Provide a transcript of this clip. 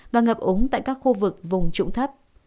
và ngập úng tại các khu vực vùng trụng thấp